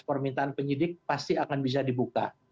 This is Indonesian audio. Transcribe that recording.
permintaan penyidik pasti akan bisa dibuka